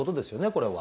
これは。